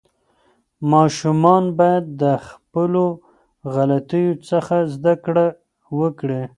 ماشومان باید د خپلو غلطیو څخه زده کړه وکړي.